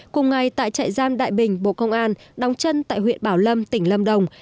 cùng ngày tại trại giam đại bình bộ công an đóng chân tại huyện bảo lâm tỉnh lâm đồng